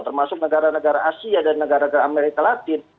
termasuk negara negara asia dan negara negara amerika latin